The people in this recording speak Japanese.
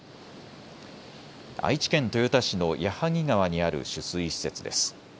愛知県豊田市の矢作川にある取水施設です。